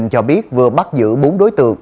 cho biết vừa bắt giữ bốn đối tượng